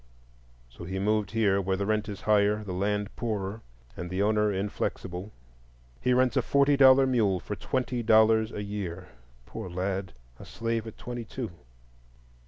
So he moved here, where the rent is higher, the land poorer, and the owner inflexible; he rents a forty dollar mule for twenty dollars a year. Poor lad!—a slave at twenty two.